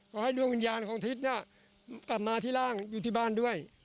ให้ดวงวิญญาณของทิศกลับมาที่ร่างอยู่ที่บ้านด้วย